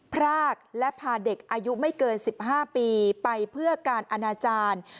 พรากและพาเด็กอายุไม่เกิน๑๕ปีไปเพื่อการอนาจารย์